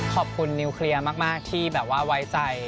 ขอบคุณนิวเคลียร์มากที่แบบว่าไว้ใจ